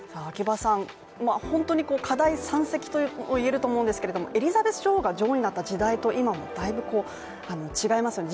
本当に課題山積と言えると思うんですけれどもエリザベス女王が女王になった時代と今はだいぶ違いますよね。